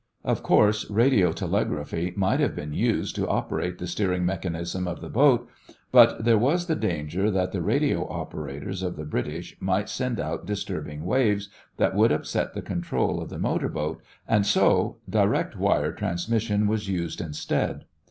Of course, radiotelegraphy might have been used to operate the steering mechanism of the boat, but there was the danger that the radio operators of the British might send out disturbing waves that would upset the control of the motor boat, and so direct wire transmission was used instead.